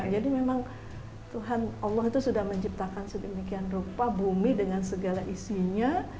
jadi memang tuhan allah itu sudah menciptakan sedemikian rupa bumi dengan segala isinya